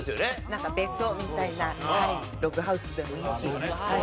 なんか別荘みたいなログハウスでもいいし。